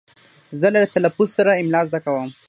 زه له تلفظ سره املا زده کوم.